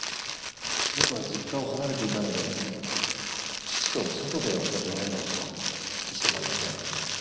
僕は実家を離れていたので父と外でお酒を飲んだことは一度もありません。